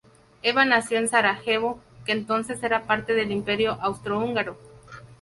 Eva nació en Sarajevo, que entonces era parte del Imperio austrohúngaro.